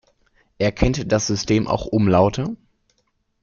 Erkennt das System auch Umlaute?